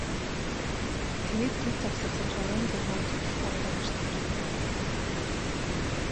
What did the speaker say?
Тэгээд түр завсарлаж оройн зургаад цугларахаар болж тарлаа.